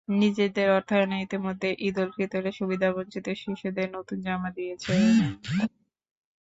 নিজেদের অর্থায়নে ইতিমধ্যে ঈদুল ফিতরে সুবিধাবঞ্চিত শিশুদের নতুন জামা দিয়েছেন তাঁরা।